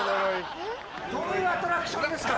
どういうアトラクションですか？